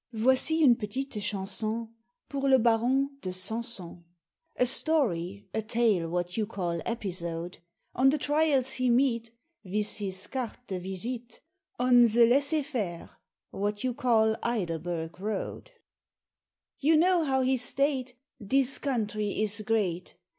Voici une pétite chanson Pour le Baron de Sanson A story a tale, what you call episode On the trials he meet Wiz his cart (de visite) On ze laissez faire, what you call Idle burg Road. You know how he state Dis country is great?